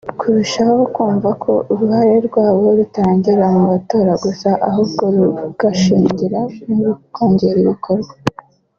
kurushaho kumva ko uruhare rwabo rutarangirira mu matora gusa ahubwo rugashingira mu kongera ibikorwa